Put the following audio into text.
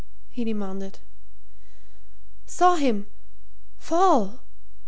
he demanded. "Saw him fall.